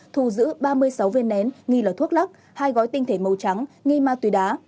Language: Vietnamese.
thu giữ ba mươi sáu viên nén nghi là thuốc lắc hai gói tinh thể màu trắng nghi ma túy đá